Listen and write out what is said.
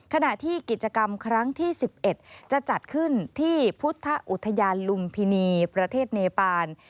ขณะที่กิจกรรมครั้งที่๑๑จะจัดขึ้นที่พุทธอุทยานลุมพินีประเทศเนปาน